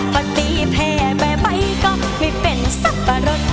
พาตีแพ้ไปก็ไม่เป็นซับปะรด